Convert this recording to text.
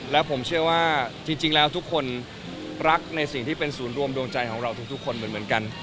และผมเชื่อว่าจริงแล้วทุกคนรักในสิ่งที่เป็นศูนย์รวมดวงใจของเราทุกคนเหมือนกัน